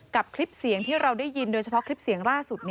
คลิปเสียงที่เราได้ยินโดยเฉพาะคลิปเสียงล่าสุด